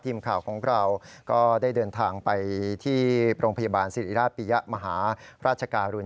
ทีมข่าวของเราก็ได้เดินทางไปที่โรงพยาบาลสิริราชปิยะมหาราชการุณ